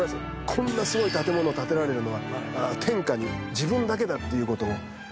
こんなすごい建物を建てられるのは天下に自分だけだっていう事を示したかった。